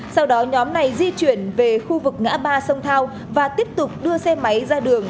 sau đó nhóm này di chuyển về khu vực ngã ba sông thao và tiếp tục đưa xe máy ra đường